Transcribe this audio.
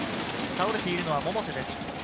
倒れているのは百瀬です。